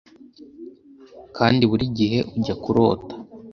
kandi burigihe ujya kurota